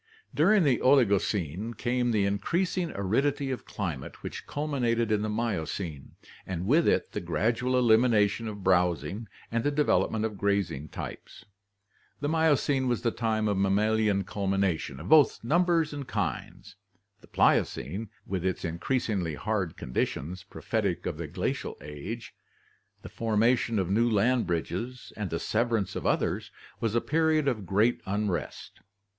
— During the Oligocene came the increasing aridity of climate which culminated in the Miocene, and with it the gradual elimination of browsing and the development of grazing types. The Miocene was the time of mammalian cul mination, of both numbers and kinds. The Pliocene, with its increasingly hard conditions, prophetic of the glacial age, the forma tion of new land bridges and the severance of others, was a period of great unrest.